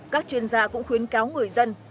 các chuyên gia cũng khuyến cáo người dân